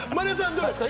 どうですか？